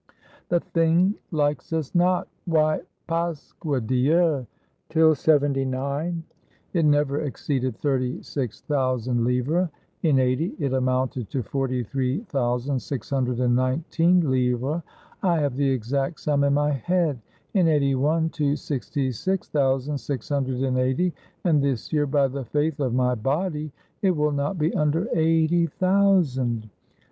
The thing likes us not. Why, Pasque Dieu! till '79 it never exceeded thirty six thousand livres; in '80 it amounted to forty three thou sand six hundred and nineteen livres — I have the exact sum in my head; in '81, to sixty six thousand six hun dred and eighty; and this year, by the faith of my body, it will not be under eighty thousand!